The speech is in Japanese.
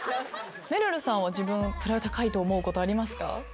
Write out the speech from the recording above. めるるさんはプライド高いと思うことありますか？